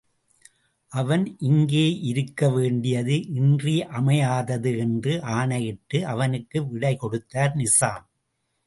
அவன் இங்கேயிருக்க வேண்டியது இன்றியமையாதது என்று ஆணையிட்டு, அவனுக்கு விடைகொடுத்தார் நிசாம்.